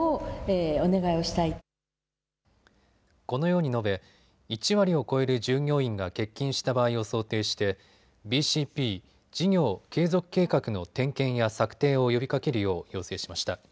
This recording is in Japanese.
このように述べ１割を超える従業員が欠勤した場合を想定してＢＣＰ・事業継続計画の点検や策定を呼びかけるよう要請しました。